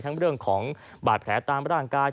เรื่องของบาดแผลตามร่างกาย